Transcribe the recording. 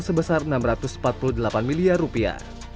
sebesar enam ratus empat puluh delapan miliar rupiah